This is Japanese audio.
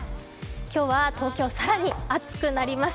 今日は東京、更に暑くなります。